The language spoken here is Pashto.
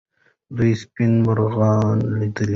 دوی سپین مرغان لیدل.